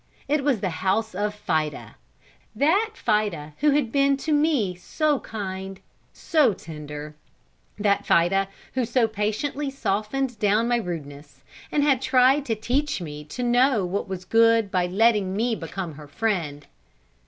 It was the house of Fida that Fida who had been to me so kind, so tender; that Fida, who so patiently softened down my rudeness, and had tried to teach me to know what was good by letting me become her friend.